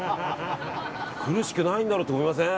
苦しくないんだろうと思いません？